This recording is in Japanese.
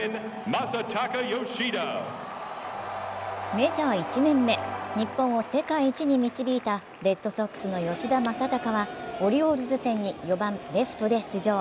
メジャー１年目、日本を世界一に導いたレッドソックスの吉田正尚はオリオールズ戦に４番・レフトで出場。